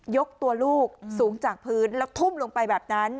ยกตัวลูกสูงจากพื้นแล้วทุ่มลงไปแบบนั้น